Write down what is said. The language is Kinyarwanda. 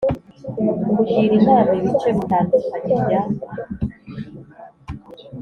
Kugira inama ibice bitandukanye bya